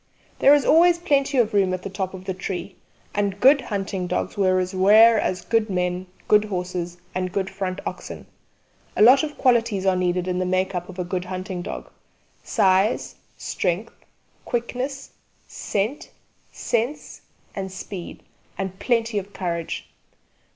There is always plenty of room at the top of the tree, and good hunting dogs were as rare as good men, good horses, and good front oxen. A lot of qualities are needed in the make up of a good hunting dog: size, strength, quickness, scent, sense and speed and plenty of courage.